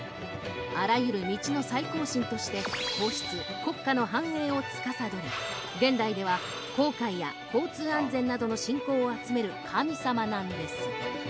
あらゆる道の最高神として皇室国家の繁栄を司り現代では航海や交通安全などの信仰を集める神様なんです